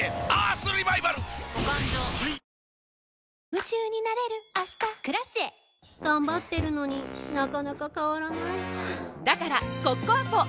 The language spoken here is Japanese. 夢中になれる明日「Ｋｒａｃｉｅ」頑張ってるのになかなか変わらないはぁだからコッコアポ！